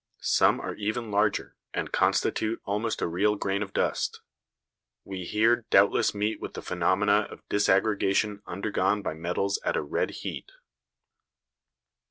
Some are even larger, and constitute almost a real grain of dust. We here doubtless meet with the phenomena of disaggregation undergone by metals at a red heat.